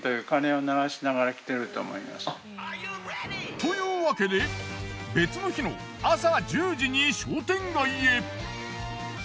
というわけで別の日の朝１０時に商店街へ。